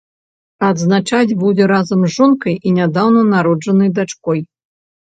Адзначаць будзе разам з жонкай і нядаўна народжанай дачкой.